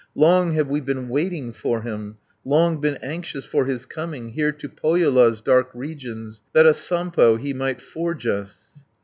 Long have we been waiting for him, Long been anxious for his coming Here to Pohjola's dark regions, That a Sampo he might forge us."